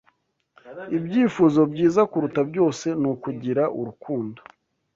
Ibyifuzo byiza kuruta byose n,ukugira urukundo